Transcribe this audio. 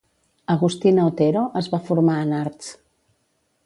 Agustina Otero es va formar en arts.